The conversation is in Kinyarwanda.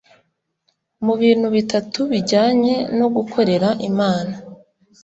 Mu bintu bitatu bijyanye no gukorera Imana